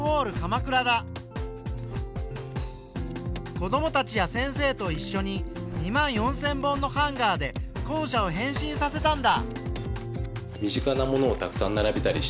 子どもたちや先生と一しょに２万４，０００本のハンガーで校舎を変身させたんだ。